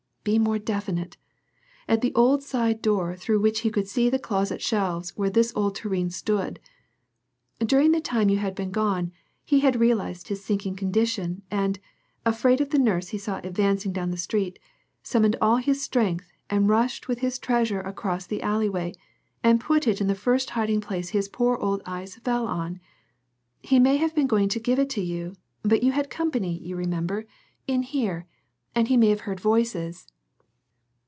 "Be more definite; at the old side door through which he could see the closet shelves where this old tureen stood. During the time you had been gone, he had realized his sinking condition, and, afraid of the nurse he saw advancing down the street, summoned all his strength and rushed with his treasure across the alley way and put it in the first hiding place his poor old eyes fell on. He may have been going to give it to you; but you had company, you remember, in here, and he may have heard voices.